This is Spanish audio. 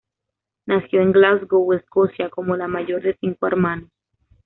Nació en Glasgow, Escocia, como la mayor de cinco hermanos.